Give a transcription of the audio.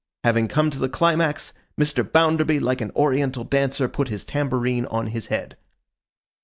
Having come to the climax, Mr. Bounderby, like an oriental dancer, put his tambourine on his head.